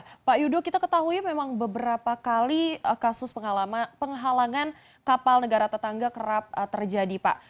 pak yudo kita ketahui memang beberapa kali kasus penghalangan kapal negara tetangga kerap terjadi pak